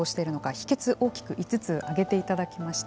秘けつ大きく５つ挙げていただきました。